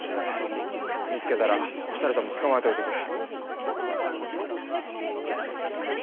見つけたら２人とも捕まえておいてくれ。